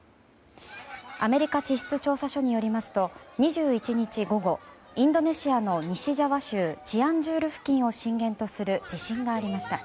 アメリカ地質調査所によりますと２１日午後、インドネシアの西ジャワ州チアンジュール付近を震源とする地震がありました。